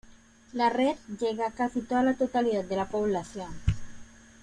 La red llega a casi la totalidad de la población.